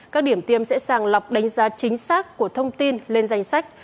các điểm tiêm sẽ sàng lọc đánh giá chính xác của thông tin lên danh sách